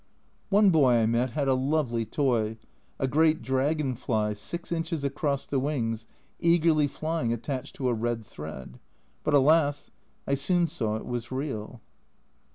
One boy I met had a lovely toy a great dragon fly, 6 inches across the wings, eagerly flying attached to a red thread but alas ! I soon saw it was real.